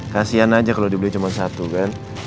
kasian aja kalau dibeli cuma satu kan